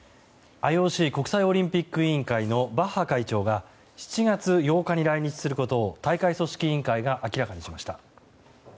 ＩＯＣ・国際オリンピック委員会のバッハ会長が７月８日に来日することを大会組織委員会が明らかにしました。